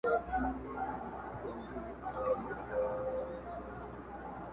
پلار په خپل حالت کي ډوب دی او له درده ډک فکرونه لري